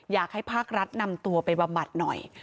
อยากให้ภาครัฐนำตัวไปบำบัดหน่อย